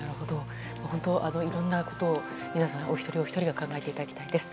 いろんなことを皆さんお一人お一人が考えていただきたいです。